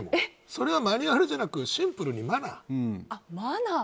それはマニュアルじゃなくシンプルにマナー。